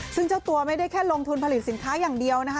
ซึ่งเจ้าตัวไม่ได้แค่ลงทุนผลิตสินค้าอย่างเดียวนะคะ